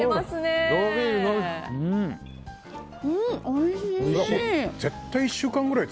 おいしい！